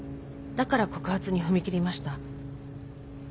だから告発に踏み切りました。